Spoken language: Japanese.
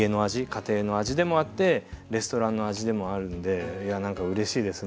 家庭の味でもあってレストランの味でもあるんでいやなんかうれしいですね